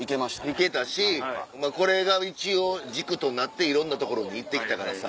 行けたしこれが一応軸となっていろんな所に行ってきたからさ。